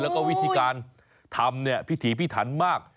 แล้วก็วิธีการทำเนี่ยพิถีพิถันมาก